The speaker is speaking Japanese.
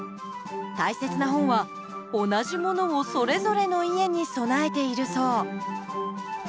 大切な本は同じものをそれぞれの家に備えているそう。